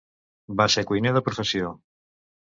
Va ser cuiner de professió.